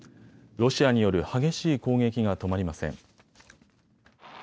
ロシアによる激しい攻撃が止まりません。